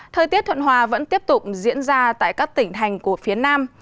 thời tiết thuận hòa vẫn tiếp tục diễn ra tại các tỉnh thành của phía nam